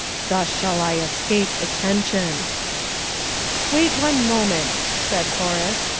"Thus shall I escape attention." "Wait one moment," said Horace.